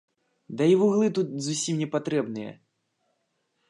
Ды і вуглы тут зусім не патрэбныя.